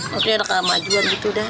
maksudnya kemajuan gitu dah